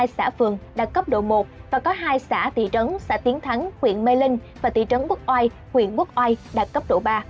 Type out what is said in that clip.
ba trăm ba mươi hai xã phường đạt cấp độ một và có hai xã thị trấn xã tiến thắng huyện mê linh và thị trấn quốc oai huyện quốc oai đạt cấp độ ba